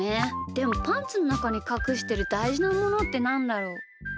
でもパンツのなかにかくしてるだいじなものってなんだろう？